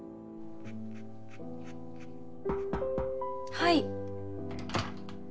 はい。